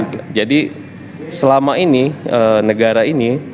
eee jadi selama ini negara ini tidak menganggap anies sebagai juri pendidikan keluarga